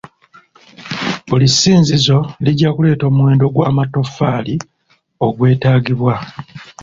Buli ssinzizo lijja kuleeta omuwendo gw'amatoffaali ogwetaagibwa.